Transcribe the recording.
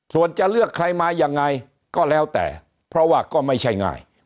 ส่วนจะเลือกใครมายังไงก็แล้วแต่เพราะว่าก็ไม่ใช่ง่าย